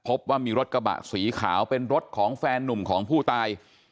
พบว่ามีรถกระบะสีขาวเป็นรถของแฟนนุ่มของผู้ตาย